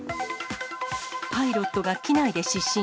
パイロットが機内で失神。